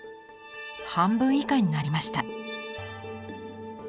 半分以下になりました。